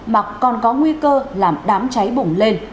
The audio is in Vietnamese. mà còn có nguy cơ làm đám cháy bùng lên